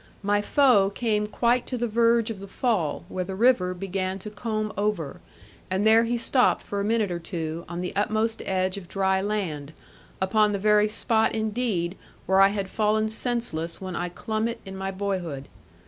My foe came quite to the verge of the fall, where the river began to comb over; and there he stopped for a minute or two, on the utmost edge of dry land, upon the very spot indeed where I had fallen senseless when I clomb it in my boyhood.